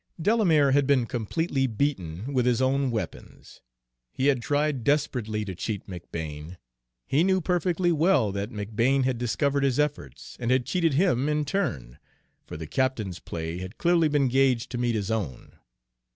Delamere had been completely beaten with his own weapons. He had tried desperately to cheat McBane. He knew perfectly well that McBane had discovered his efforts and had cheated him in turn, for the captain's play had clearly been gauged to meet his own.